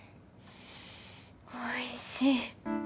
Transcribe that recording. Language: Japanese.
おいしい